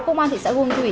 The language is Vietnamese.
công an thị xã hương thủy